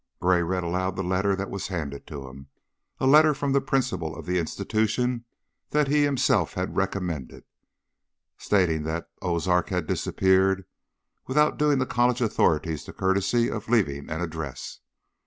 Gray read aloud the letter that was handed to him, a letter from the principal of the institution that he himself had recommended, stating that Ozark had disappeared without doing the college authorities the courtesy of leaving an address.